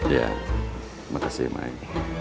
iya makasih maim